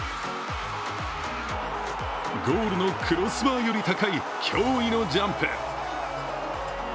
ゴールのクロスバーより高い、驚異のジャンプ。